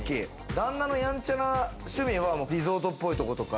旦那のやんちゃな趣味はリゾートっぽいとことか。